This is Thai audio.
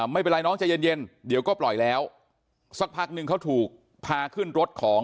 ไม่เป็นไรน้องใจเย็นเย็นเดี๋ยวก็ปล่อยแล้วสักพักนึงเขาถูกพาขึ้นรถของ